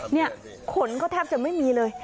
นี่ขนก็แทบจะไม่มีเลย